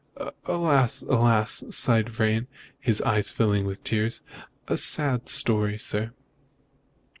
"Alas! alas!" sighed Vrain, his eyes filling with tears, "a sad story, sir."